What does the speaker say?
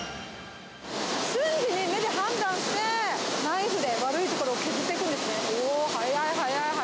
瞬時に目で判断して、ナイフで悪い所を削っていくんですね。